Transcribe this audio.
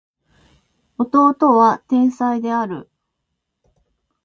弟は天才である